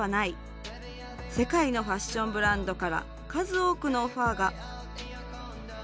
世界のファッションブランドから数多くのオファーが。